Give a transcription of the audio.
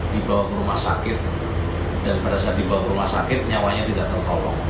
dibawa ke rumah sakit dan pada saat dibawa ke rumah sakit nyawanya tidak tertolong